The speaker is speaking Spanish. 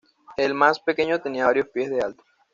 El más pequeño tenía varios pies de alto.